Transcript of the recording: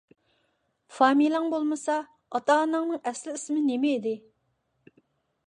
فامىلەڭ بولمىسا، ئاتا - ئاناڭنىڭ ئەسلىي ئىسمى نېمە ئىدى؟